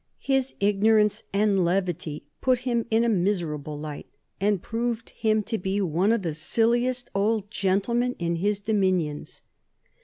His ignorance and levity put him in a miserable light and proved him to be one of the silliest old gentlemen in his dominions."